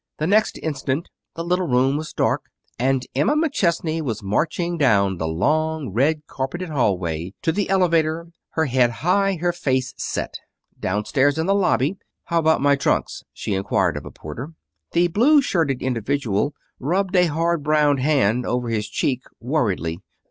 The next instant the little room was dark, and Emma McChesney was marching down the long, red carpeted hallway to the elevator, her head high, her face set. Down stairs in the lobby "How about my trunks?" she inquired of a porter. That blue shirted individual rubbed a hard brown hand over his cheek worriedly.